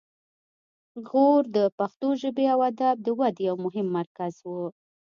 غور د پښتو ژبې او ادب د ودې یو مهم مرکز و